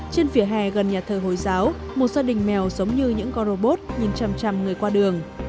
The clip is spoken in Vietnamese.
trên phía hè gần nhà thờ hồi giáo một gia đình mèo giống như những con robot nhìn chằm chằm người qua đường